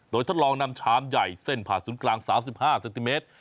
โดยทดลองนำชามใหญ่เส้นผ่าศูนย์กลาง๓๕เซนติเมตร